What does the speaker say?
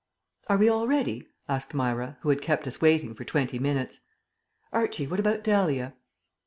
"Are we all ready?" asked Myra, who had kept us waiting for twenty minutes. "Archie, what about Dahlia?"